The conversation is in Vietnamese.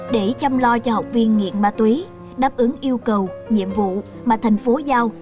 để chăm lo cho học viên nghiện ma túy đáp ứng yêu cầu nhiệm vụ mà thành phố giao